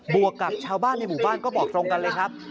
วกกับชาวบ้านในหมู่บ้านก็บอกตรงกันเลยครับ